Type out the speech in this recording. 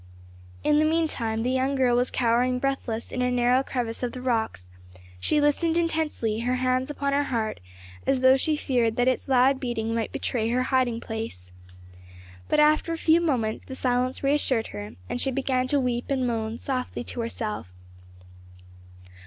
In the meantime the young girl was cowering breathless in a narrow crevice of the rocks; she listened intensely, her hands upon her heart, as though she feared that its loud beating might betray her hiding place. But after a few moments the silence reassured her and she began to weep and moan softly to herself.